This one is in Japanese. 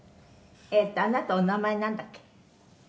「あなたお名前なんだっけ？」